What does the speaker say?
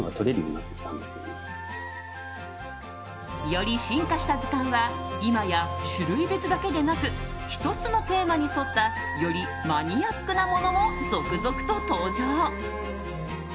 より進化した図鑑は今や種類別だけでなく１つのテーマに沿ったよりマニアックなものも続々と登場。